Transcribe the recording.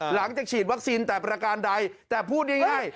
หลังจากฉีดวัคซีนแต่ประการใดแต่พูดง่าย